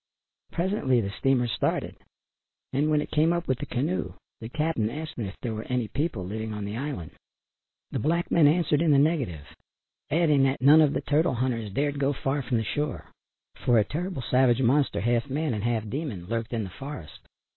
Presently the steamer started and when it came up with the canoe the "cap'n" asked them if there were any people living on the island. The black men answered in the negative, adding that none of the turtle hunters dared go far from shore, for a terrible savage monster half man and half demon, lurked in the forest.